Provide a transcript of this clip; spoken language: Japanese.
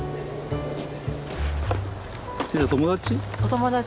友達？